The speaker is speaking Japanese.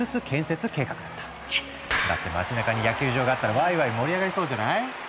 だって街なかに野球場があったらワイワイ盛り上がりそうじゃない？